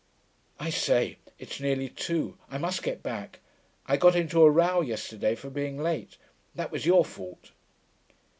I say, it's nearly two. I must get back. I got into a row yesterday for being late that was your fault.'